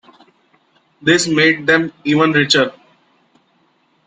This made them even richer.